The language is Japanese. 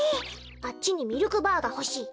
あっちにミルクバーがほしい。